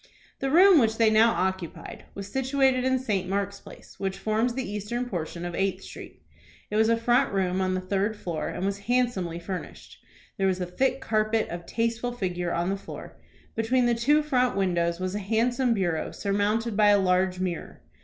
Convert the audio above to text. The room which they now occupied was situated in St. Mark's Place, which forms the eastern portion of Eighth Street. It was a front room on the third floor, and was handsomely furnished. There was a thick carpet, of tasteful figure, on the floor. Between the two front windows was a handsome bureau, surmounted by a large mirror.